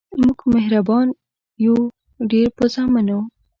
مونږ مهربان یو ډیر په زامنو